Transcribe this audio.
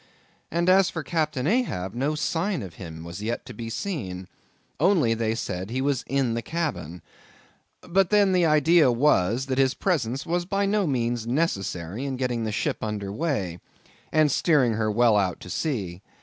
And, as for Captain Ahab, no sign of him was yet to be seen; only, they said he was in the cabin. But then, the idea was, that his presence was by no means necessary in getting the ship under weigh, and steering her well out to sea.